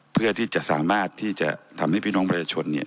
เพื่อที่จะสามารถที่จะทำให้พี่น้องประชาชนเนี่ย